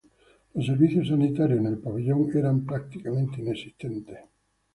Los servicios sanitarios en el pabellón era prácticamente inexistentes.